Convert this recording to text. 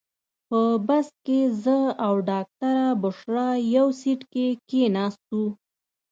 په بس کې زه او ډاکټره بشرا یو سیټ کې کېناستو.